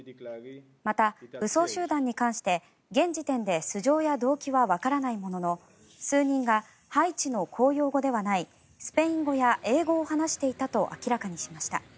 また、武装集団に関して現時点で素性や動機はわからないものの数人がハイチの公用語ではないスペイン語や英語を話していたと明らかにしました。